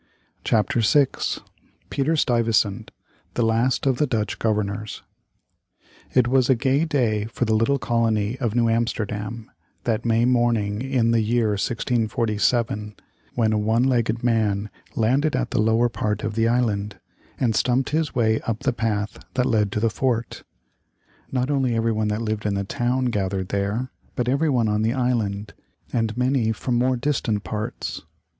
] CHAPTER VI PETER STUYVESANT, the LAST of the DUTCH GOVERNORS It was a gay day for the little colony of New Amsterdam, that May morning in the year 1647, when a one legged man landed at the lower part of the island, and stumped his way up the path that led to the fort. Not only everyone that lived in the town gathered there, but everyone on the island, and many from more distant parts.